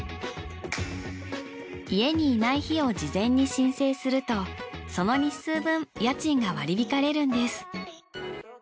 家にいない日を事前に申請するとその日数分家賃が割り引かれるんです。